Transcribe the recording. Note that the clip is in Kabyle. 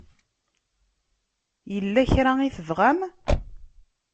Yella kra i tebɣam?